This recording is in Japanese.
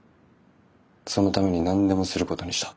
そのために何でもすることにした。